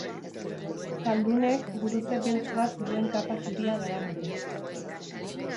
Zaldunek, gurutze beltz bat duen kapa zuria daramate.